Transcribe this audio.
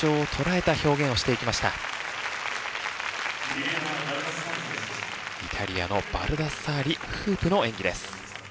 イタリアのバルダッサーリフープの演技です。